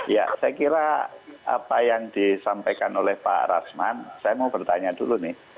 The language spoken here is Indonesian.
ya saya kira apa yang disampaikan oleh pak rasman saya mau bertanya dulu nih